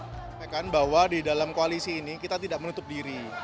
saya sampaikan bahwa di dalam koalisi ini kita tidak menutup diri